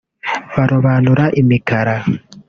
Barobanura imikara